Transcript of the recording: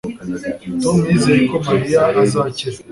Tom yizeye ko Mariya azakira